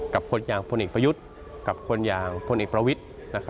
กับคนอย่างพลเอกประยุทธ์กับคนอย่างพลเอกประวิทธิ์